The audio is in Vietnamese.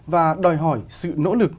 và đòi hỏi sự nỗ lực